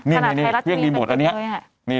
นี่เรียกดีหมดอันนี้